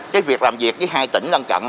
cái việc làm việc với hai tỉnh lân cận